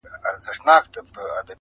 او کور چوپ پاته کيږي-